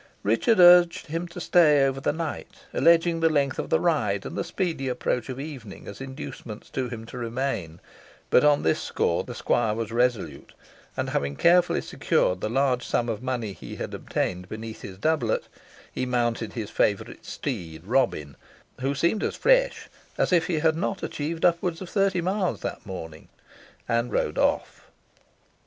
Richard urged him to stay over the night, alleging the length of the ride, and the speedy approach of evening, as inducements to him to remain; but on this score the squire was resolute and having carefully secured the large sum of money he had obtained beneath his doublet, he mounted his favourite steed, Robin, who seemed as fresh as if he had not achieved upwards of thirty miles that morning, and rode off.